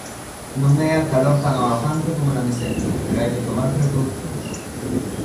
Non é a calor tan abafante como na Meseta, pero hai que tomar precaucións.